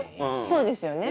そうですよね。